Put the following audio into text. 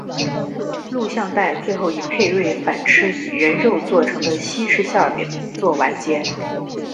录像带最后以佩芮反吃以人肉做成的西式馅饼作完结。